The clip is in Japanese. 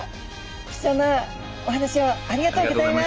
貴重なお話をありがとうございます。